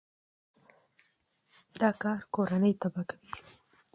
دا کار کورنۍ تباه کوي.